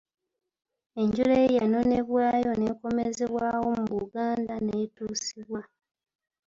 Enjole ye yanonebwayo n'ekomezebwawo mu Buganda n'etuusibwa.